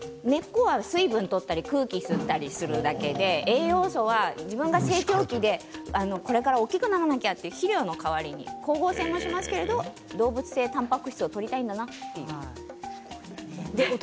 水分をとったり空気をしっかり吸うだけで栄養素は自分が成長期でこれから大きくならなきゃという肥料の代わりに光合成もしますけれども動物性たんぱく質もとりたいんだなと。